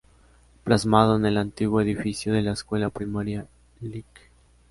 Plasmado en el antiguo edificio de la escuela primaria Lic.